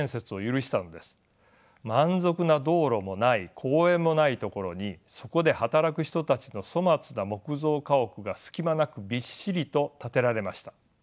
満足な道路もない公園もないところにそこで働く人たちの粗末な木造家屋が隙間なくびっしりと建てられました。